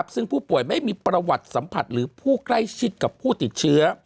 ซึ่งผู้ป่วยไม่มีประวัติสัมผัสหรือผู้ใกล้ชิดกับผู้ติดเชื้อ